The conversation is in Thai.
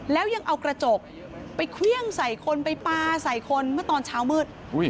แล้วยังเอากระจกไปเครื่องใส่คนไปปลาใส่คนเมื่อตอนเช้ามืด